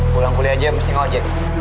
pulang kuliah aja mesti ngelajet